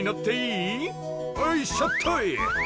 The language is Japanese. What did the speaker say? よいしょっと！